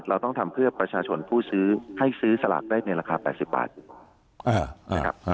เราต้องทำเพื่อประชาชนผู้ซื้อให้ซื้อสลากได้ในราคา๘๐บาทอยู่นะครับ